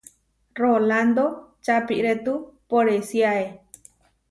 Rolando čapirétu poresíae.